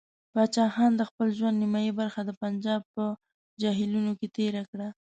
پاچا خان د خپل ژوند نیمایي برخه د پنجاب په جیلونو کې تېره کړه.